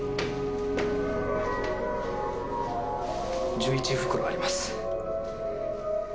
１１袋あります。